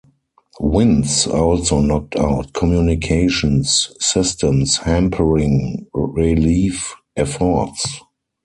Winds also knocked out communications systems, hampering relief efforts.